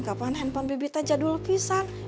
kapan handphone bibi aja dul pisan